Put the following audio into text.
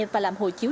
và làm hồ chiếu